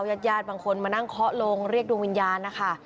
ญาติญาติบางคนมานั่งเคาะลงเรียกดวงวิญญาณนะคะ